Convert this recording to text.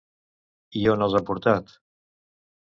I on els han portat?